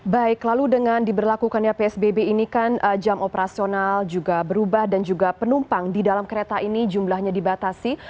baik lalu dengan diberlakukannya psbb ini kan jam operasional juga berubah dan juga penumpang di dalam kereta ini jumlahnya dibatasi